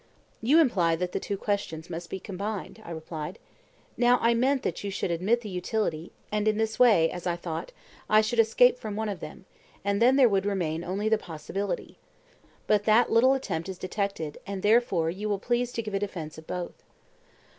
You imply that the two questions must be combined, I replied. Now I meant that you should admit the utility; and in this way, as I thought, I should escape from one of them, and then there would remain only the possibility. But that little attempt is detected, and therefore you will please to give a defence of both.